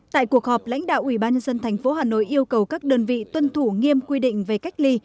tại cuộc họp lãnh đạo ubnd tp hà nội yêu cầu các đơn vị tuân thủ nghiêm quy định về cách ly